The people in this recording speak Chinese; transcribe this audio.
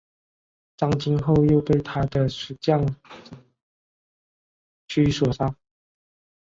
张津后又被他的属将区景所杀。